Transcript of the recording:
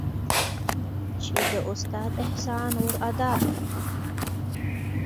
چې د استاد احسان ورادا كړم.